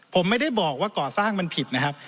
ผมไม่ได้บอกว่าก่อสร้างมันผิดนะครับ